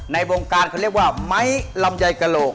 ในวงการเขาเรียกว่าไม้ลำไยกระโหลก